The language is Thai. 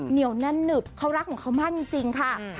เหนียวแน่นหนึบเขารักของเขามากจริงค่ะ